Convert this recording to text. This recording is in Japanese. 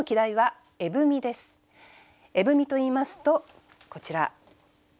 絵踏といいますとこちら。